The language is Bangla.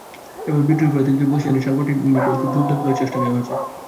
এবার বিদ্রোহী প্রার্থীদের বশে এনে সাংগঠনিক ঐক্য জোরদার করার চেষ্টা নেওয়া হয়েছে।